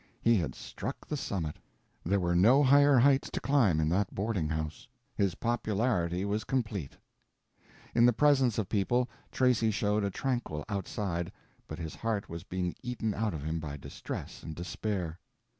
He had struck the summit. There were no higher heights to climb in that boarding house. His popularity was complete. In the presence of people, Tracy showed a tranquil outside, but his heart was being eaten out of him by distress and despair.